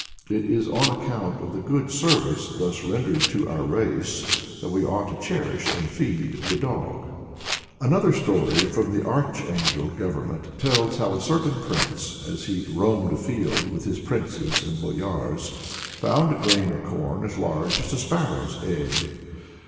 It is on account of the good service thus rendered to our race that we ought to cherish and feed the dog. Another story, from the Archangel Government, tells how a certain King, as he roamed afield with his princes and boyars, found a grain of corn as large as a sparrow's egg.